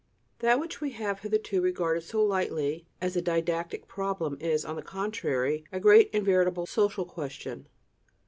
That which we have hitherto regarded so lightly as a didactic problem is, on the contrary, a great and veritable social question.